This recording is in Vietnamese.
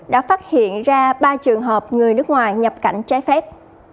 đã phát hiện ra ba trường hợp người nước ngoài nhập cảnh trái phép